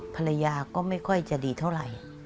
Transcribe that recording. ภรรยาก็ไม่ค่อยจะดีเท่าไหร่